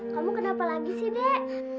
kamu kenapa lagi sih dek